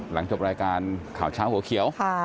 หลังจบรายการข่าวเช้าหัวเขียว